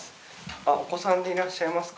お子さんでいらっしゃいますか？